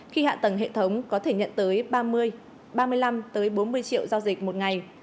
khi hạ tầng hệ thống có thể nhận tới ba mươi ba mươi năm tới bốn mươi triệu giao dịch một ngày